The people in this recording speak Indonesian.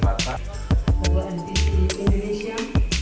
kayaknya seluruh indonesia